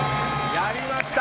やりました！